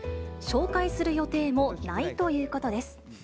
紹介する予定もないということです。